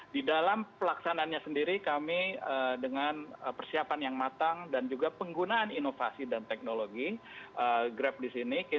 di dalam pelaksananya sendiri kami dengan persiapan yang matang dan juga penggunaan inovasi dan teknologi grab di sini